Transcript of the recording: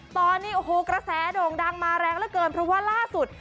ตอนนี้โอ้โหกระแสโด่งดังมาแรงเหลือเกินเพราะว่าล่าสุด